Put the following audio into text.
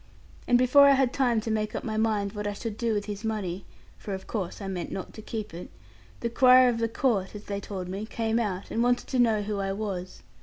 And before I had time to make up my mind what I should do with his money (for of course I meant not to keep it) the crier of the Court (as they told me) came out, and wanted to know who I was.